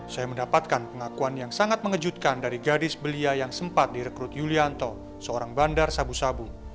saya mendapatkan pengakuan yang sangat mengejutkan dari gadis belia yang sempat direkrut yulianto seorang bandar sabu sabu